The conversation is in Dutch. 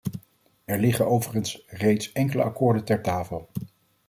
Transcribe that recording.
Er liggen overigens reeds enkele akkoorden ter tafel.